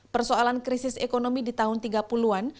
persoalan krisis ekonomi di tahun tiga puluh an